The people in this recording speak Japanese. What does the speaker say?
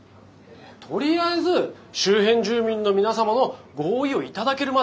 とりあえず周辺住民の皆様の合意を頂けるまでって感じ。